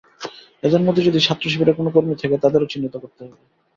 এদের মধ্যে যদি ছাত্রশিবিরের কোনো কর্মী থাকে, তাদেরও চিহ্নিত করতে হবে।